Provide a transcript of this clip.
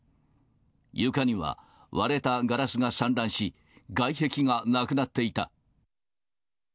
床には割れたガラスが散乱し、外壁がなくなっていた。